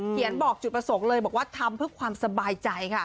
บอกจุดประสงค์เลยบอกว่าทำเพื่อความสบายใจค่ะ